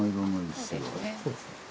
そうですね。